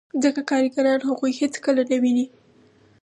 ځکه کارګران هغوی هېڅکله نه ویني